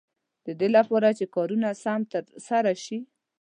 د دې لپاره چې کارونه سم تر سره شي.